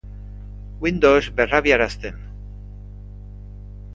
Windows berrabiarazten.